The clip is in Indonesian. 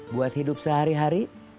buat hidup sehari hari